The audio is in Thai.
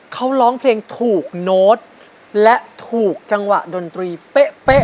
เขาร้องเพลงถูกโน้ตและถูกจังหวะดนตรีเป๊ะ